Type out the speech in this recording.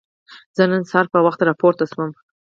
زه نن سهار په وخت راپورته شوم.